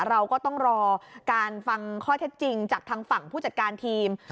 เราก็ต้องรอการฟังข้อเท็จจริงจากทางฝั่งผู้จัดการทีม